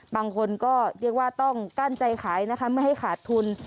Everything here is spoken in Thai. บางคนก็เรียกว่าต้องกั้นใจขายนะคะไม่ให้ขาดทุน